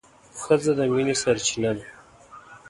ښځه د مينې سرچينه ده